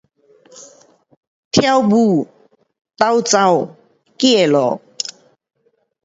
跳舞，斗跑，走路